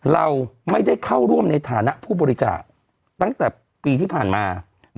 เราไม่ได้เข้าร่วมในฐานะผู้บริจาคตั้งแต่ปีที่ผ่านมา